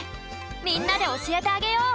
みんなでおしえてあげよう！